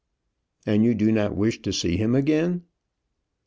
"And you do not wish to see him again?"